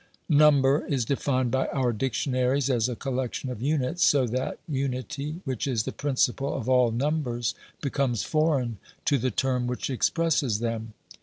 Number is defined by our dictionaries as a collection of units, so that unity, which is the principle of all numbers, becomes foreign to the term which expresses them.